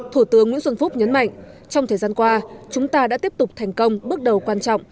thủ tướng nguyễn xuân phúc nhấn mạnh trong thời gian qua chúng ta đã tiếp tục thành công bước đầu quan trọng